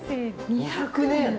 ２００年！